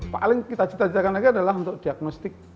paling kita cita citakan lagi adalah untuk diagnostik